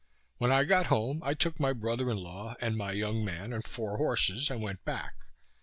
When I got home, I took my brother in law, and my young man, and four horses, and went back.